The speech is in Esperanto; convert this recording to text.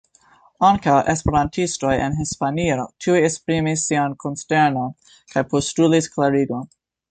Ankaŭ esperantistoj en Hispanio tuj esprimis sian konsternon kaj postulis klarigon.